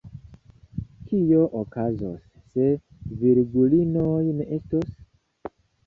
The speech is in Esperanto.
Kio okazos, se virgulinoj ne estos?